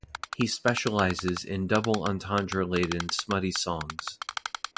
He specialises in double entendre-laden smutty songs.